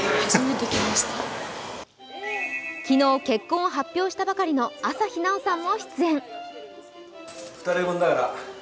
昨日、結婚を発表したばかりの朝日奈央さんも出演。